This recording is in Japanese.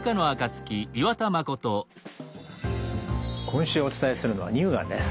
今週お伝えするのは乳がんです。